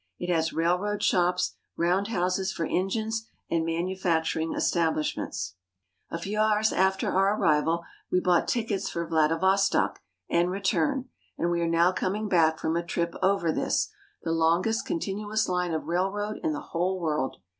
It has railroad shops, round houses for engines, and manufacturing establishments. 374 RUSSIA IN ASIA A few hours after our arrival we bought tickets for Vla divostok and return, and we are now coming back from a trip over this, the longest continuous line of railroad in the whole world.